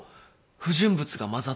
不純物が混ざってる。